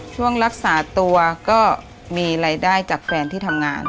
ช่วงรักษาตัวก็มีรายได้จากแฟนที่ทำงาน